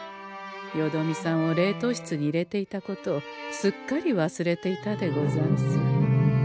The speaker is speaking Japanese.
よどみさんを冷凍室に入れていたことをすっかり忘れていたでござんす。